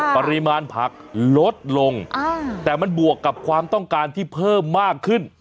ปริมาณผักลดลงแต่มันบวกกับความต้องการที่เพิ่มมากขึ้น